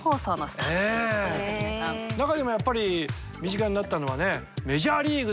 中でもやっぱり身近になったのはねメジャーリーグですよね。